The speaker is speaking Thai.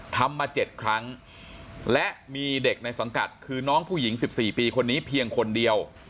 ทำมา๗ครั้งและมีเด็กในสังกัดคือน้องผู้หญิง๑๔ปีคนนี้เพียงคนเดียว